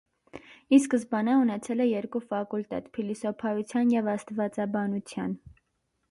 Ի սկզբանե ունեցել է երկու ֆակուլտետ՝ փիլիսոփայության և աստվածաբանության։